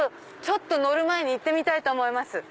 乗る前に行ってみたいと思います。